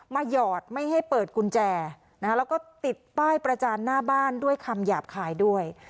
หยอดไม่ให้เปิดกุญแจแล้วก็ติดป้ายประจานหน้าบ้านด้วยคำหยาบคายด้วย